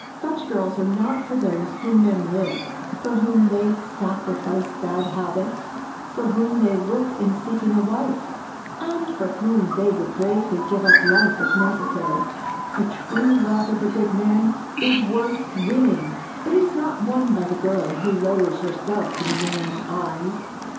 Such girls are not those for whom men live, for whom they sacrifice bad habits, for whom they look in seeking a wife, and for whom they would bravely give up life if necessary. The true love of a good man is worth winning. It is not won by the girl who lowers herself in a man's eyes.